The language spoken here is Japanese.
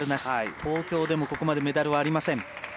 東京でもここまでメダルはありません。